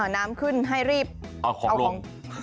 น้ำขึ้นให้รีบเอาของ